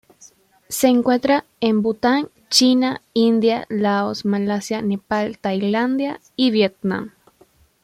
Se encuentra en Bután, China, India, Laos, Malasia, Nepal, Tailandia y Vietnam.